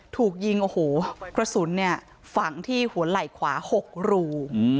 ถูกยิงกระสุนฝังที่หัวไหล่ขวา๖รู